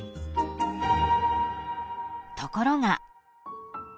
［ところが］